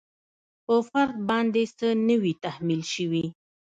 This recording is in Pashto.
په فرد باید څه نه وي تحمیل شوي.